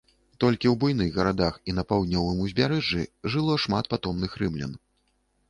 Толькі ў буйных гарадах і на паўднёвым узбярэжжы жыло шмат патомных рымлян.